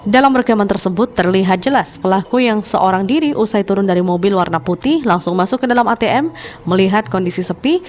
dalam rekaman tersebut terlihat jelas pelaku yang seorang diri usai turun dari mobil warna putih langsung masuk ke dalam atm melihat kondisi sepi